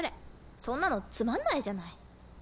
そんなのつまんないじゃない。